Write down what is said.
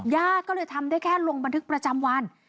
ญาติก็เลยทำได้แค่ลงบันทึกประจำวัน